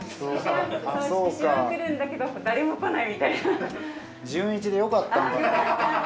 色紙は来るんだけど誰も来ないみたいな。